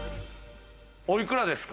おいくらですか？